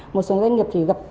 một số doanh nghiệp thì gặp